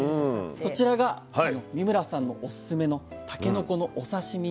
そちらが三村さんのオススメのたけのこのお刺身になります。